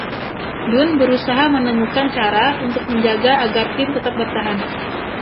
Dunn berusaha menemukan cara untuk menjaga agar tim tetap bertahan.